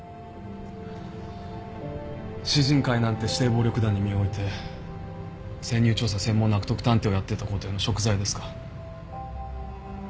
獅靭会なんて指定暴力団に身を置いて潜入調査専門の悪徳探偵をやってたことへの贖罪ですか？